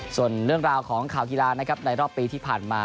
ส่วนเรื่องราวของข่าวกีฬานะครับในรอบปีที่ผ่านมา